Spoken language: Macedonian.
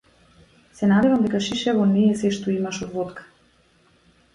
Се надевам дека шишево не е сѐ што имаш од водка.